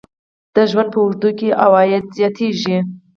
د ژوند په اوږدو کې عواید زیاتیږي.